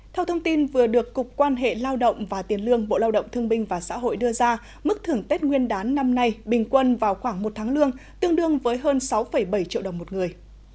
theo thông tin vừa được cục quan hệ lao động và tiền lương bộ lao động thương binh và xã hội đưa ra mức thưởng tết nguyên đán năm nay bình quân vào khoảng một tháng lương tương đương với hơn sáu bảy triệu đồng một người